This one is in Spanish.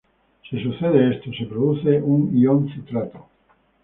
Si sucede esto, se produce un ión citrato.